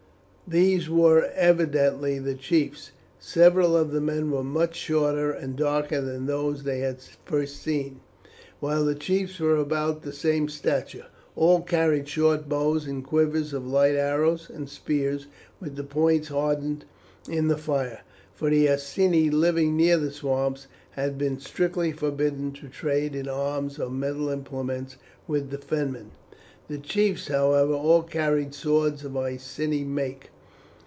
These were evidently the chiefs. Several of the men were much shorter and darker than those they had first seen, while the chiefs were about the same stature. All carried short bows and quivers of light arrows, and spears with the points hardened in the fire, for the Iceni living near the swamps had been strictly forbidden to trade in arms or metal implements with the Fenmen. The chiefs, however, all carried swords of Iceni make.